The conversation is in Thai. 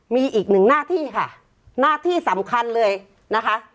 มีอีกหนึ่งหน้าที่ค่ะหน้าที่สำคัญเลยนะคะ